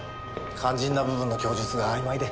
肝心な部分の供述があいまいで。